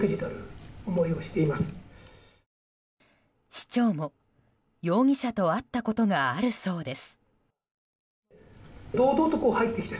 市長も、容疑者と会ったことがあるそうです。